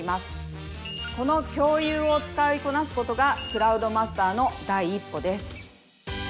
この共有を使いこなすことがクラウドマスターの第一歩です。